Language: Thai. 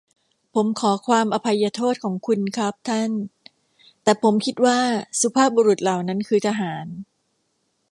ผมขอความอภัยโทษของคุณครับท่าน แต่ผมคิดว่าสุภาพบุรุษเหล่านั้นคือทหาร ?